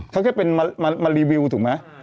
เขาแค่เป็นมารีวิวถูกไหม